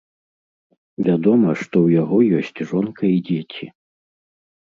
Вядома, што ў яго ёсць жонка і дзеці.